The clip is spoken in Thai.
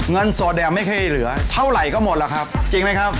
เงินสดเนี่ยไม่เคยเหลือเท่าไหร่ก็หมดหรอกครับจริงไหมครับ